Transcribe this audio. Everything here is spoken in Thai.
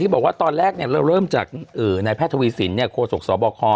ที่บอกว่าตอนแรกเริ่มจากในแพทย์ทวีสินเนี่ยโครสกสบคร